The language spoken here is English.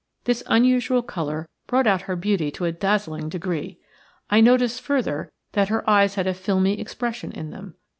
This unusual colour brought out her beauty to a dazzling degree. I noticed further that her eyes had a filmy expression in them.